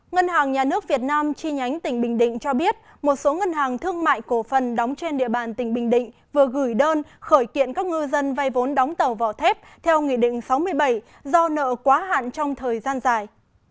ngân hàng nhà nước việt nam chi nhánh tỉnh bình định cho biết một số ngân hàng thương mại cổ phần đóng trên địa bàn tỉnh bình định vừa gửi đơn khởi kiện các ngư dân vay vốn đóng tàu vỏ thép theo nghị định sáu mươi bảy do nợ quá hạn trong thời gian dài